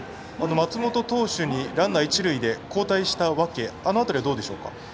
松本投手にランナー、一塁で交代したわけあの辺りはどうでしょうか？